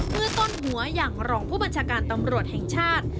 เมื่อต้นหัวอย่างรองผู้บัญชาการตำรวจแห่งชาติ